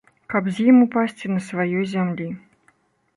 Каб з ім упасці на сваёй зямлі.